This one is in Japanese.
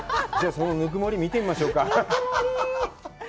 そのぬくもり見てみましょうか。